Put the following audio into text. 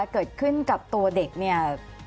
เกิดขึ้นกับตัวเด็กเนี่ย